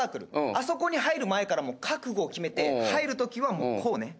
あそこに入る前からもう覚悟を決めて入る時はもうこうね。